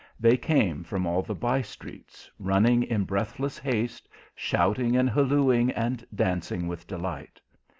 They came from all the by streets, running in breathless haste, shouting and hallooing, and dancing with delight.